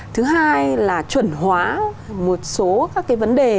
thứ hai là chuẩn hóa một số các cái vấn đề